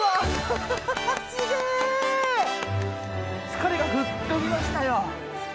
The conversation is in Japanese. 疲れが吹っ飛びましたよ。